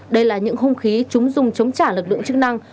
đây là những hung khí chúng dùng chống trả lực lượng chức năng